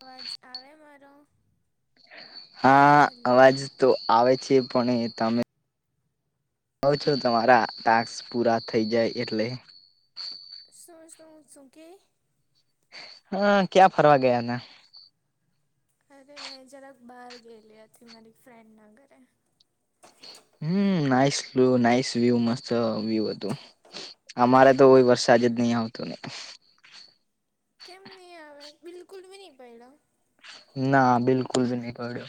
અવાજ આવે મારો હા હલો અવાજ તો આવે છે પણ તમે આવજો તમારા ટાસ્ક પૂરા થઈ જાય એટલે. શુ શુ શુ કે? હા ક્યાં ફરવા ગયાના? અરે મેં જરાક બહાર ગયેલી હતી મારી ફ્રેન્ડના ઘરે. હમ નાઈસ વ્યુ નાઈસ વ્યુ મસ્ત વ્યુ હતું. અમારે તો હોય હમ વરસાદ જ નહીં આવતું કેમ નહીં આવે બિલકુલ બ નહીં પડ્યો? ના બિલકુલ નહીં પડ્યો.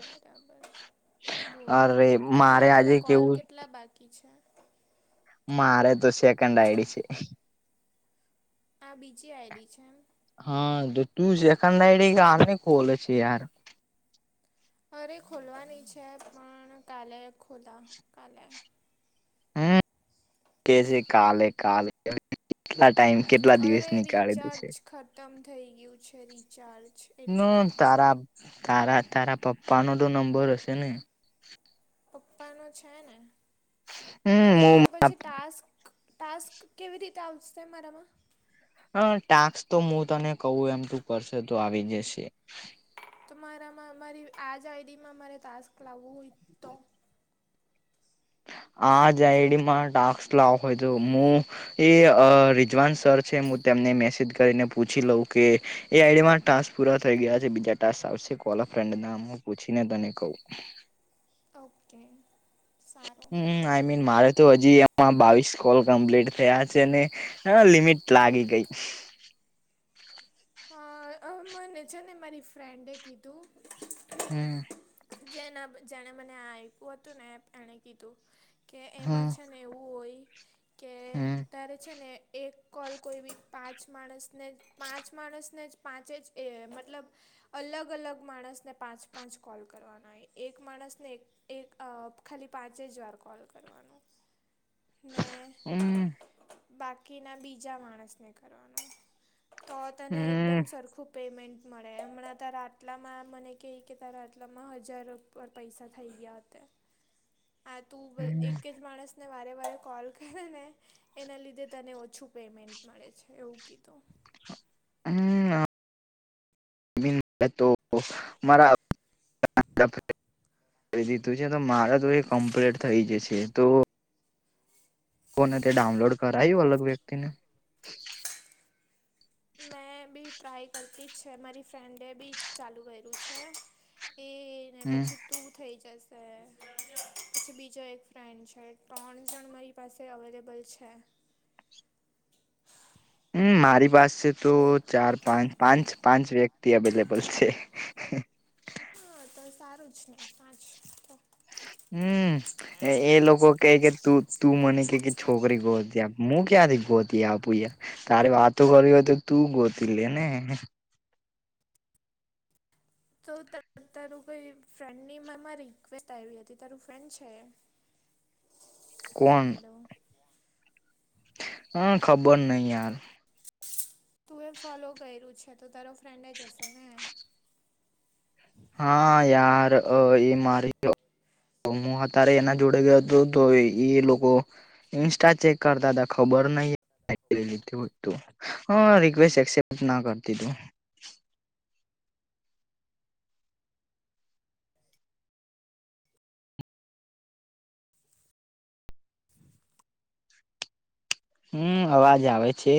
બરાબર બોલતો અરે કેટલા મારે તારા આજે કોલ કેવું કેટલા બાકી છે? મારે તો સેકન્ડ આઈડી છે. આ બીજી આઈડી છે એમ. હા તો તું સેકન્ડ આઈડી ગામની ખોલે છે યાર અરે ખોલવાની છે પણ કાલે ખોલ કાલે. હમ કેજે કાલે કાલે, કેટલા ટાઈમ કેટલા દિવસ અરે નિકાડે છે. રિચાર્જ ખતમ થઈ ગયું છે રિચાર્જ, એટલે ન તારા તારા તારા પપ્પા નો તો નંબર હશે ને, પપ્પાનો છે ને પણ હમ એમાં પછી ટાસ્ક ટાસ્ક કેવી રીતે આવશે મારામાં, હ ટાસ્ક તો હું તને કવું એમ તું કરશે તો આવી જશે. તો મારામાં મારી આ જ આઈડીમાં મારે ટાસ્ક લાવવું હોય તો, આ જ આઈડીમાં ટાસ્ક લાવુ હોય તો હું, એ રિઝવાન સર છે હું તેમને મેસેજ કરીને પૂછી લઉં કે એ આઈડીમાં ટાસ પુરા થઈ ગયા છે બીજા ટાસ આવશે કોલ અ ફ્રેન્ડના હું પૂછીને તને કવુ. ઓકે, સારું. આઈમીન મારે તો હજી એમાં બાવીસ કોલ કમ્પ્લીટ થયા છે ને હા લિમિટ લાગી ગઈ હ, હ મને છેને મારી ફ્રેન્ડે કીધું. હમ. જેના જેણે મને આ આપ્યું હતું ને એણે કીધું કે એમાં હમ છેને એવું હોય કે હમ તારે છેને એક કોલ કોઈબી પાંચ માણસને જ પાંચ માણસને જ પાંચે જ એ મતલબ અલગ-અલગ માણસને પાંચ-પાંચ કોલ કરવાન હોય એક માણસને એક એક અ ખાલી પાંચે જ વાર કોલ કરવાનો. [inaudible] ને હમ બાકીના બીજા માણસને કરવાનો. તો તને એકદમ સરખું પેમેન્ટ મળે હમણાં તારા આટલામાં મને કેય કે તારા આટલામાં હજાર પર પૈસા થઈ ગયા હતે [inaudible] આ તું હમ હમ એક જ માણસને વારે-વારે કોલ કરે ને એના લીધે તને ઓછું પેમેન્ટ મળે છે એવું કીધું. હમ બિલ પે તો મારા [inaudible] [inaudible] કરી દીધું છે તો માર તો એ કમ્પ્લીટ થઈ જશે. તો લોકો ન તે ડાઉનલોડ કરાયું અલગ વ્યક્તિને? મેં બી ટ્રાય કરતી જ છે. મારી ફ્રેન્ડે બી ચાલુ કર્યું છે. એ ને હમ પછી તું થઈ જશે પછી બીજો એક ફ્રેન્ડ છે ત્રણ જણ મારી પાસે અવેલેબલ છે. હમ મારી પાસે તો હવે ચાર-પાંચ પાંચ પાંચ વ્યક્તિ અવેલેબલ છે. હા તો સારું જ ને પાંચતો, હમ, એ લોકો કે કે તું તું મને કે કે છોકરી ગોતી આપ. મુ ક્યાંથી ગોતી આપું, તારે વાતો કરવી હોય તો તું ગોતી લે ને, તો તારું કોઈ ફ્રેન્ડની મારામાં રિક્વેસ્ટ આયવી હતી. તારું ફ્રેન્ડ છે? હલો હા ખબર નઈ યાર. તું એ ફોલો કર્યું છે તો તારો ફ્રેન્ડ જ હશે ને. હા યાર અ એ મારી તો હું અત્યારે એના જોડે ગયો તો એ લોકો ઈન્સ્ટા ચેક કરતા તા ખબર નઈ. [inaudible] હહ રિકવેસ્ટ એક્સેપ્ટ ના કરતી તું. હમ અવાજ આવે છે?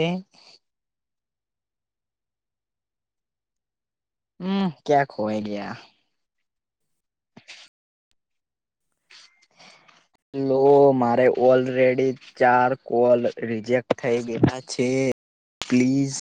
હમ ક્યા ખોવાય ગયા? લો મારે ઓલરેડી ચાર કોલ રિજેક્ટ થઈ ગયેલા છે. પ્લીઝ.